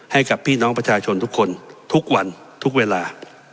ให้กับพี่น้องประชาชนทุกคนทุกวันทุกเวลา